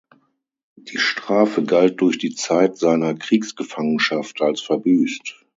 Die Strafe galt durch die Zeit seiner Kriegsgefangenschaft als verbüßt.